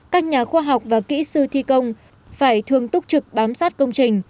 các nhà khoa học và kỹ sư thi công phải thường túc trực bám sát công trình